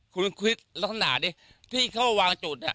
คุณคิดลักษณะสำหรับที่เขาวางจุด